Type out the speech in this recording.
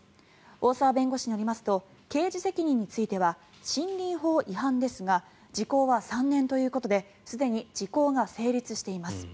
大澤弁護士によりますと刑事責任については森林法違反ですが時効は３年ということですでに時効が成立しています。